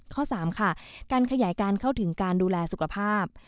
ข้อ๓ค่ะการขยายการเข้าถึงการดูแลสุขภาพ